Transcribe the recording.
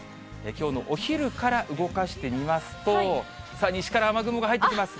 きょうのお昼から動かしてみますと、西から雨雲が入ってきます。